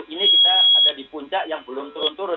ini kita ada di puncak yang belum turun turun